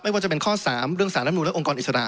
ว่าจะเป็นข้อ๓เรื่องสารรับนูนและองค์กรอิสระ